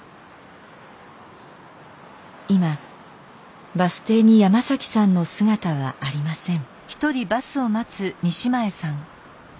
今バス停に山さんの姿はありません。